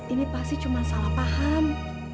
ini pasti cuma salah paham